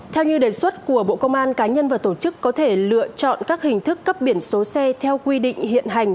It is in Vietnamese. theo như đề xuất của bộ công an cá nhân và tổ chức có thể lựa chọn các hình thức cấp biển số xe theo quy định hiện hành